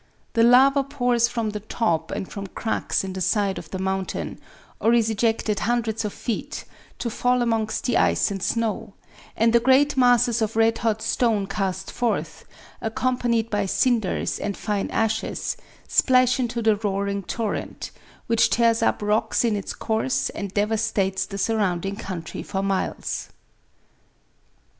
The lava pours from the top and from cracks in the side of the mountain, or is ejected hundreds of feet, to fall amongst the ice and snow; and the great masses of red hot stone cast forth, accompanied by cinders and fine ashes, splash into the roaring torrent, which tears up rocks in its course and devastates the surrounding country for miles.